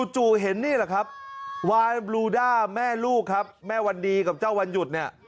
จู่เห็นนี่แหละครับวายบลูด้าแม่ลูกครับแม่วันดีกับเจ้าวันหยุดเนี่ย